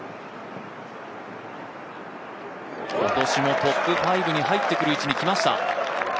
今年もトップ５に入ってくる位置に来ました。